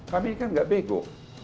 kami kan gak bego